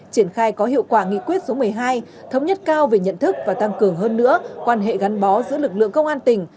triển khai có hiệu quả nghị quyết số một mươi hai thống nhất cao về nhận thức và tăng cường hơn nữa quan hệ gắn bó giữa lực lượng công an tỉnh